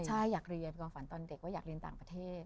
ใช่อยากเรียนความฝันตอนเด็กว่าอยากเรียนต่างประเทศ